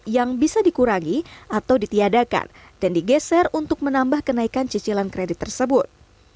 yang bisa dikurangi atau ditiadakan dan digeser untuk menambah kenaikan cicilan kredit tersebut